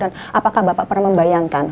dan apakah bapak pernah membayangkan